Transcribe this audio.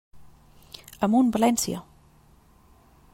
Amunt València!